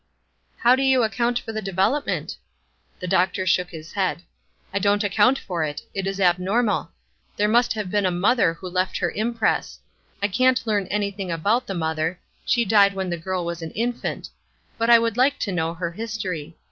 "How do you account for the development?" The doctor shook his head: "I don't account for it; it is abnormal. There must have been a mother who left her impress. I can't learn anything about the mother she died when the girl was an infant; but I would like to know her history.